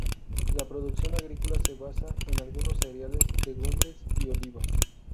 La producción agrícola se basaba en algunos cereales, legumbres y olivas.